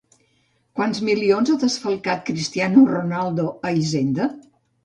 Quants milions ha desfalcat Cristiano Ronaldo a Hisenda?